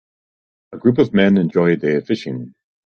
A group of men enjoy a day of fishing.